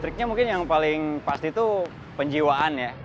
triknya mungkin yang paling pasti itu penjiwaan ya